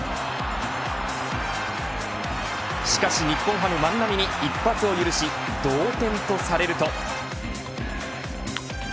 しかし日本ハム万波に一発を許し同点とされると。